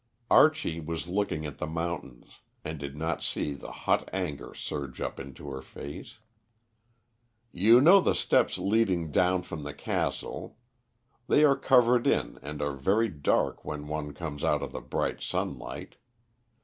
Archie was looking at the mountains, and did not see the hot anger surge up into her face. "You know the steps leading down from the castle. They are covered in, and are very dark when one comes out of the bright sunlight.